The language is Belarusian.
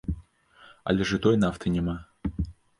Але ж і той нафты няма!